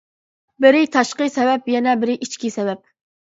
بىرى تاشقى سەۋەب، يەنە بىرى ئىچكى سەۋەب.